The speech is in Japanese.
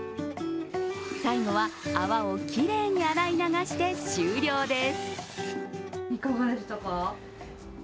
最後は泡をきれいに洗い流して終了です。